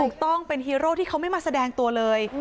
ถูกต้องเป็นฮีโร่ที่เขาไม่มาแสดงตัวเลย